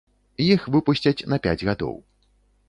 Іх выпусцяць на пяць гадоў.